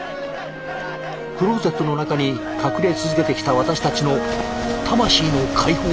クローゼットの中に隠れ続けてきた私たちの魂の解放でした。